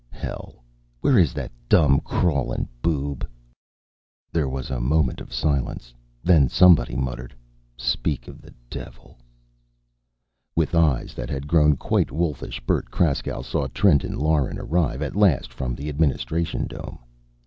Hell! Where is that dumb, crawlin' boob?" There was a moment of silence. Then somebody muttered: "Speak of the devil!..." With eyes that had grown quietly wolfish, Bert Kraskow saw Trenton Lauren arrive at last from the administration dome.